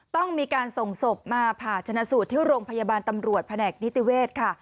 ต้องมีการส่งศพมาผ่าชนะสูตรที่โรงพยาบาลตำรวจแผนกนิติเวศค่ะ